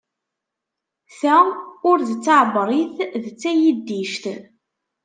Ta ur d taɛebrit. D tayiddict.